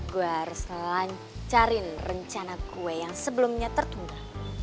gue harus lancarin rencana gue yang sebelumnya tertunda